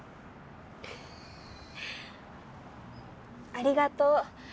ありがとう。